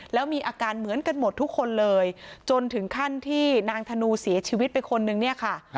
แล้วมีอาการเหมือนกันหมดทุกคนเลยจนถึงขั้นที่นางธนูเสียชีวิตไปคนนึงเนี่ยค่ะ